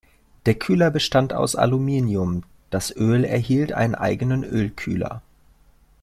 Der Kühler bestand aus Aluminium, das Öl erhielt einen eigenen Ölkühler.